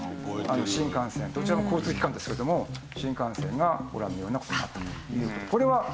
新幹線どちらも交通機関ですけれども新幹線がご覧のような事になったというこれは１０月です。